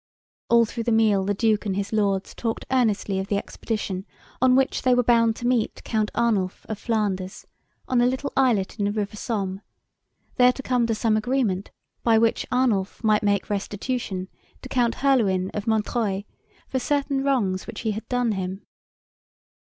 All through the meal, the Duke and his Lords talked earnestly of the expedition on which they were bound to meet Count Arnulf of Flanders, on a little islet in the river Somme, there to come to some agreement, by which Arnulf might make restitution to Count Herluin of Montreuil, for certain wrongs which he had done him.